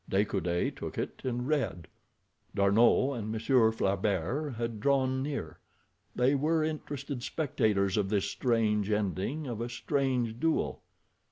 De Coude took it and read. D'Arnot and Monsieur Flaubert had drawn near. They were interested spectators of this strange ending of a strange duel.